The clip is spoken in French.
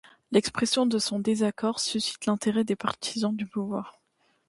L'expression de son désaccord suscite l'intérêt des partisans du pouvoir.